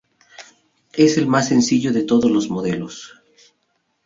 Es el más sencillo de todos los modelos.